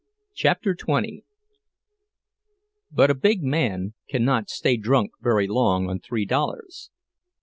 CHAPTER XX But a big man cannot stay drunk very long on three dollars.